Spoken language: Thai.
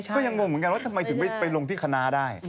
ก็ยัง้งเหมือนกันได้